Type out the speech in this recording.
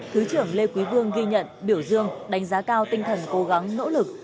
thứ trưởng lê quý vương ghi nhận biểu dương đánh giá cao tinh thần cố gắng nỗ lực